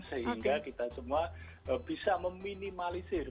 sehingga kita semua bisa meminimalisir